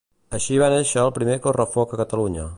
Així va néixer el primer correfoc a Catalunya.